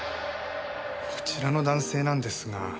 こちらの男性なんですが。